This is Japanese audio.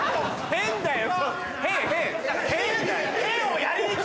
変だよ。